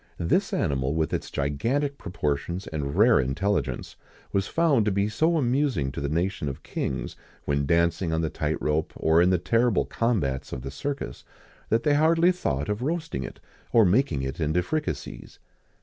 This animal, with its gigantic proportions and rare intelligence, was found to be so amusing to the nation of kings, when dancing on the tight rope,[XIX 118] or in the terrible combats of the Circus,[XIX 119] that they hardly thought of roasting it, or making it into fricassees.